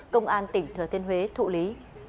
công an tp thừa thiên huế thụ lý